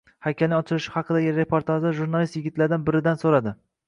Haykalining ochilishi haqidagi reportajda jurnalist yigitlardan biridan so'radi